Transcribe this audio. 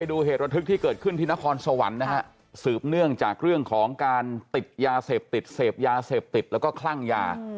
ดูเหตุระทึกที่เกิดขึ้นที่นครสวรรค์นะฮะสืบเนื่องจากเรื่องของการติดยาเสพติดเสพยาเสพติดแล้วก็คลั่งยา